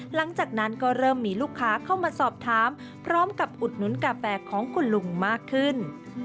หลังจากนั้นก็เริ่มมีลูกค้าเข้ามาสอบถามพร้อมกับอุดหนุนกาแฟของคุณลุงมากขึ้น